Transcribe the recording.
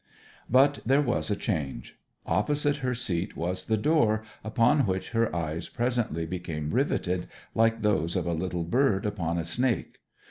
But there was a change. Opposite her seat was the door, upon which her eyes presently became riveted like those of a little bird upon a snake.